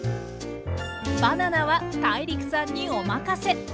バナナはＴＡＩＲＩＫさんにお任せ。